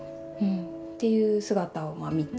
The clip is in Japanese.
っていう姿を見て。